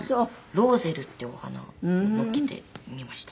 ローゼルっていうお花をのっけてみました。